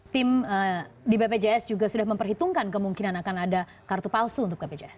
tim di bpjs juga sudah memperhitungkan kemungkinan akan ada kartu palsu untuk bpjs